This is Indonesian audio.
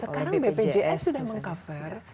sekarang bpjs sudah meng cover